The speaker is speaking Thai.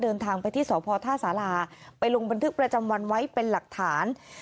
เดินทางไปที่สพท่าสาราไปลงบันทึกประจำวันไว้เป็นหลักฐาน